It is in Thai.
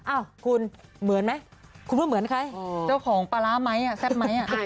อ้าวคุณเหมือนไหมคุณว่าเหมือนใครเจ้าของปลาร้าไหมแซ่บไหม